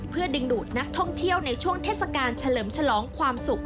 เพื่อดึงดูดนักท่องเที่ยวในช่วงเทศกาลเฉลิมฉลองความสุข